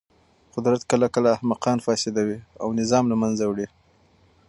قدرت کله کله احمقان فاسدوي او نظام له منځه وړي.